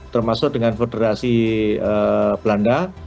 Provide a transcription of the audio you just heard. termasuk dengan federasi belanda